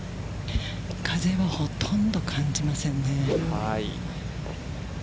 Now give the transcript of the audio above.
風は、ほとんど感じませんね。